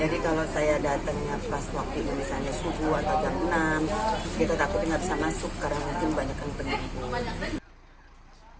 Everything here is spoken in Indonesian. jadi kalau saya datangnya pas waktu misalnya subuh atau jam enam kita takutnya nggak bisa masuk karena mungkin banyak penyembuhan